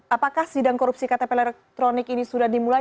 apakah sidang korupsi ktp elektronik ini sudah dimulai